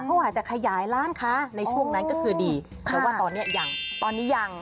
เขาอาจจะขยายร้านค้าในช่วงนั้นก็คือดีเพราะว่าตอนเนี้ยอย่างตอนนี้ยัง